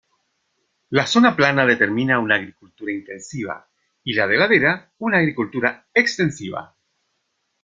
La zona plana determina una agricultura intensiva y la de ladera una agricultura extensiva.